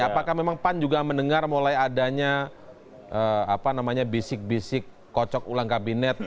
apakah memang pan juga mendengar mulai adanya bisik bisik kocok ulang kabinet